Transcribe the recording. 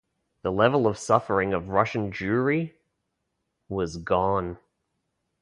The level of suffering of Russian Jewry... was gone.